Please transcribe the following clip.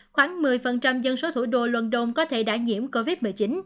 khoảng một mươi dân số thủ đô london có thể đã nhiễm covid một mươi chín